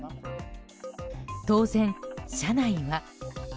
当然、車内は。